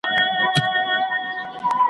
مُلا یې ولاړ سي د سر مقام ته ,